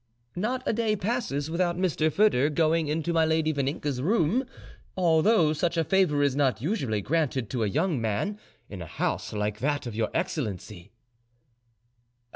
"Not a day passes without Mr. Foedor going into my lady Vaninka's room, although such a favour is not usually granted to a young man in a house like that of your excellency."